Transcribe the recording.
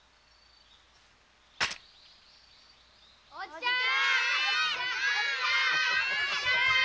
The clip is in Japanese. ・おっちゃーん！